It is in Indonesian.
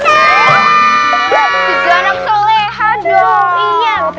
tiga anak soleh haduh